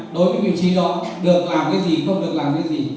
đối với vị trí đó được làm cái gì không được làm cái gì